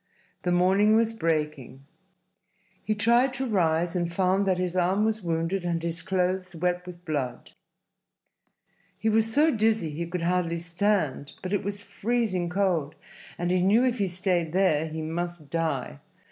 The morning was breaking. He tried to rise and found that his arm was wounded and his clothes wet with blood. He was so dizzy he could hardly stand, but it was freezing cold, and he knew if he stayed there he must die.